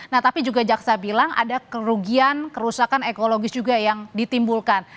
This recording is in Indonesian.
nah tapi juga jaksa bilang ada kerugian kerusakan ekologis juga yang ditimbulkan